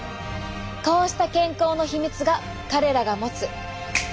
こうした健康のヒミツが彼らが持つ。